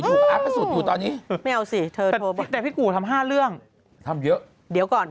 อยู่อยู่ตอนนี้ไม่เอาสิเธอโทรแต่พี่กูทำห้าเรื่องทำเยอะเดี๋ยวก่อน